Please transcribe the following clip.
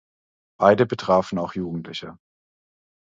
Beide betrafen auch Jugendliche.